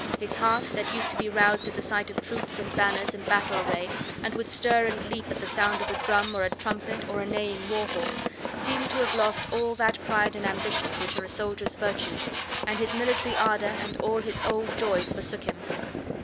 His heart, that used to be roused at the sight of troops and banners and battle array, and would stir and leap at the sound of a drum or a trumpet or a neighing war horse, seemed to have lost all that pride and ambition which are a soldier's virtue; and his military ardor and all his old joys forsook him.